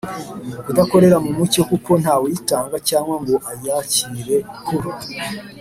kudakorera mu mucyo kuko ntawuyitanga cyangwa ngo ayakire ku